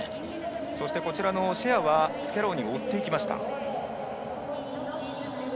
そしてシェアはスキャローニを追っていきました。